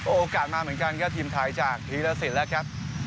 โอกาสมาเหมือนกันครับทีมไทยจากธีรสินแล้วครับ